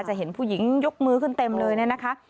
จะเห็นผู้หญิงยกมือขึ้นเต็มเลยเนี่ยนะคะ